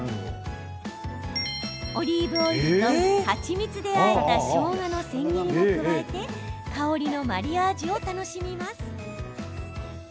オリーブオイルと、蜂蜜であえたしょうがの千切りも加えて香りのマリアージュを楽しみます。